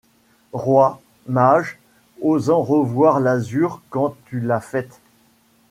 Roi, mage, osant revoir l’azur quand tu l’as faite !